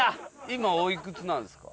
今おいくつなんですか？